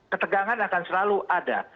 ketegangan akan selalu ada